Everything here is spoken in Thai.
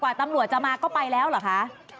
ตำรวจจะมาก็ไปแล้วเหรอคะ